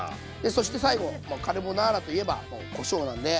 そして最後カルボナーラといえばもうこしょうなんで。